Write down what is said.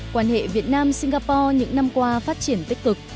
quan hệ việt nam singapore những năm qua phát triển tích cực